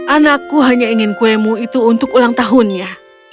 anakku hanya ingin kuemu itu untuk ulang tahunnya